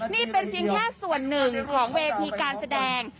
นี่เป็นเพียงแค่ส่วนหนึ่งของเวทีการแสดง